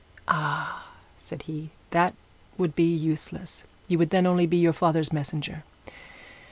'Ah!' said he, 'that would be useless; you would then only be your father's messenger.